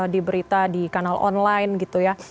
diberita di kanal online gitu ya